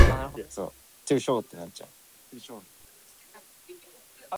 She subsequently selected him as her successor.